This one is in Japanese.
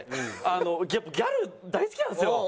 やっぱギャル大好きなんですよ。